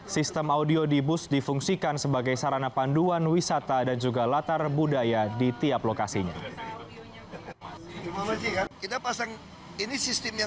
sistem audio di bus difungsikan sebagai sarana panduan wisata dan juga latar budaya di tiap lokasinya